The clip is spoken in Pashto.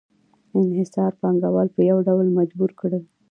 انحصار پانګوال په یو ډول مجبور کړل